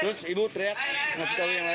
terus ibu teriak ngasih tahu yang lain